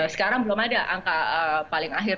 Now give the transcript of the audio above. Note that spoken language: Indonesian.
sekarang belum ada angka paling akhir